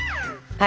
はい。